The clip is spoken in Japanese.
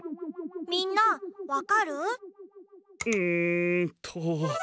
みんなわかる？んと。